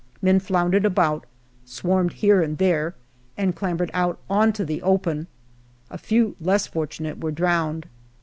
Men floundered about, swarmed here and there, and clambered out on to the open. A few less fortunate were drowned.